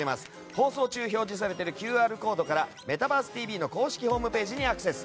放送中表示されているＱＲコードから「メタバースＴＶ！！」の公式ホームページにアクセス。